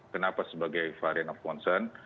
kenapa sebagai varian of concern